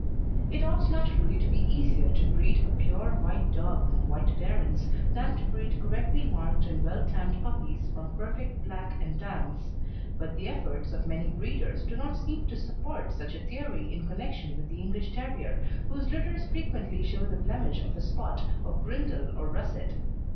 It ought naturally to be easier to breed a pure white dog from white parents than to breed correctly marked and well tanned puppies from perfect black and tans; but the efforts of many breeders do not seem to support such a theory in connection with the English Terrier, whose litters frequently show the blemish of a spot of brindle or russet.